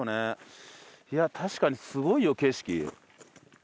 いや確かにすごいよ景色。